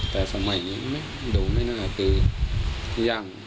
แต่สมัยนี้ดูไม่น่าคือยัง